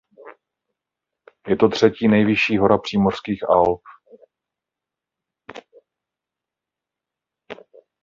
Je to třetí nejvyšší hora Přímořských Alp.